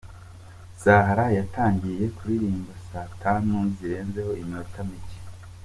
Zahara yatangiye kuririmba saa tanu zirenzeho iminota mike.